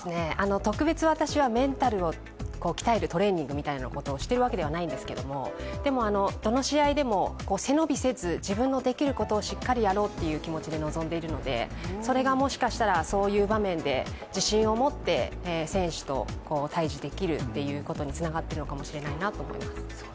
特別私はメンタルを鍛えるトレーニングみたいなことをしているわけではないんですけどどの試合でも背伸びせず、自分のできることをしっかりやろうという気持ちで臨んでいるのでそれがもしかしたら、そういう場面で自信を持って選手と対じできるということにつながってるのかもしれないなと思います。